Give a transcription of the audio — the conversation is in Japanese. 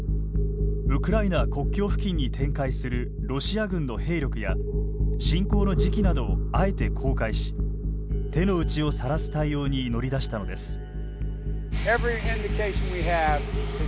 ウクライナ国境付近に展開するロシア軍の兵力や侵攻の時期などをあえて公開し手の内をさらす対応に乗り出したのです。